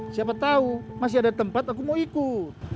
siapa tahu masih ada tempat aku mau ikut